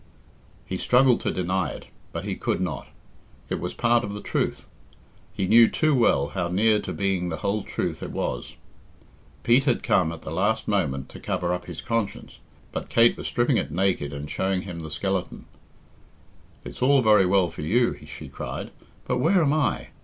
He struggled to deny it, but he could not. It was part of the truth. He knew too well how near to being the whole truth it was. Pete had come at the last moment to cover up his conscience, but Kate was stripping it naked and showing him the skeleton. "It's all very well for you," she cried, "but where am I?